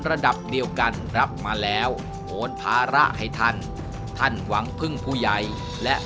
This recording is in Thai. ระดับเดียวกันรับมาแล้วโอนภาระให้ท่านท่านหวังพึ่งผู้ใหญ่และ